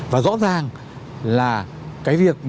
và rõ ràng là cái việc mà